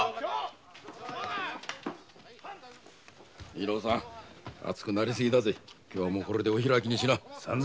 巳之さん熱くなりすぎだ今日はこれでお開きにしな。